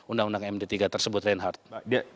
undang undang md tiga tersebut reinhardt